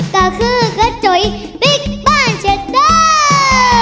ก็คือกระจ๋อยบิ๊กบ้านเช็ดเดิม